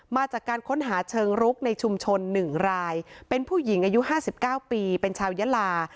มาจากการค้นหาเชิงรุกในชุมชน๑รายเป็นผู้หญิงอายุ๕๙ปีเป็นชาวยะลา